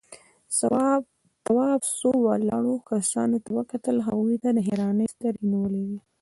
تواب څو ولاړو کسانو ته وکتل، هغوی ده ته حيرانې سترگې نيولې وې.